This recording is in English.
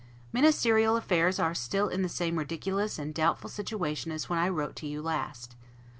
Ministerial affairs are still in the same ridiculous and doubtful situation as when I wrote to you last.